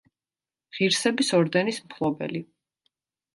ღირსების ორდენის მფლობელი.